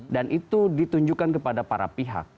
dan itu ditunjukkan kepada para pihak